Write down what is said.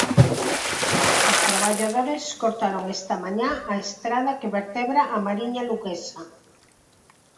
Os traballadores cortaron esta mañá a estrada que vertebra a Mariña Luguesa.